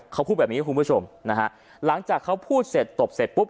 เขาพูดแบบนี้คุณผู้ชมนะฮะหลังจากเขาพูดเสร็จตบเสร็จปุ๊บ